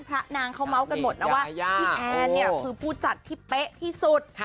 พระนางเขาเมาส์กันหมดนะว่าพี่แอนเนี่ยคือผู้จัดที่เป๊ะที่สุด